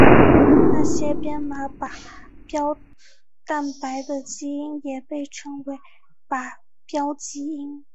那些编码靶标蛋白的基因也被称为靶标基因。